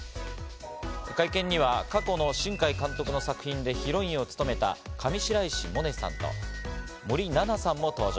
会見には過去の新海監督の作品でヒロインを務めた上白石萌音さんと森七菜さんも登場。